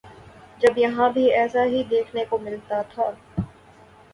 جب یہاں بھی ایسا ہی دیکھنے کو ملتا تھا۔